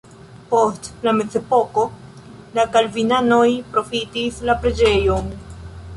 Post la mezepoko la kalvinanoj profitis la preĝejon.